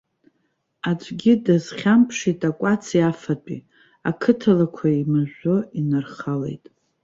Аӡәгьы дазхьамԥшит акәаци афатәи, ақыҭа лақәа еимыжәжәо инархалеит.